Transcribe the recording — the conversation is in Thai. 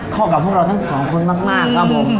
เข้ากับพวกเราทั้งสองคนมากครับผม